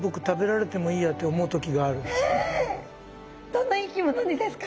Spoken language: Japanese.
どんな生き物にですか？